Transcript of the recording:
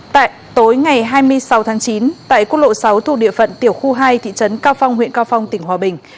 tại tối ngày hai mươi sáu tháng chín tại quốc lộ sáu thuộc địa phận tiểu khu hai thị trấn cao phong huyện cao phong tỉnh hòa bình